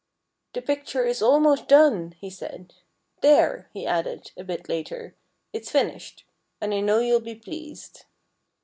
"The picture is almost done," he said. "There!" he added, a bit later. "It's finished. And I know you'll be pleased."